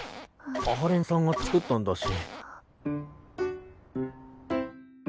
阿波連さんが作ったんだし。